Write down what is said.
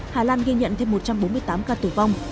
hà lan ghi nhận thêm một trăm bốn mươi tám ca tử vong